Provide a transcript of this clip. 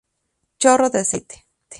Chorro de aceite.